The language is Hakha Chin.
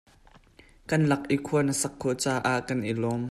Kan lak i khua na sak duh caah kan i lawm.